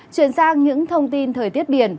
chuyển sang những thông tin thời tiết biển